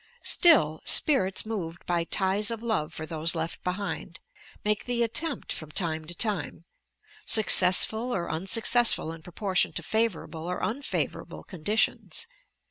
Still, spirits moved by ties of love for those left behind, make the attempt from time to time; — successful or unsuccessful in proportion to favourable or unfavourable conditions.